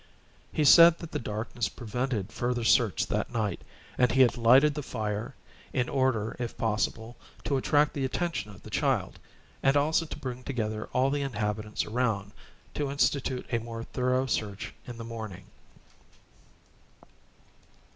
He said that the darkness prevented further search that night, and he had lighted the fire, in order if possible, to attract the attention of the child, and also to bring together all the inhabitants around, to institute a more thorough search in the morning.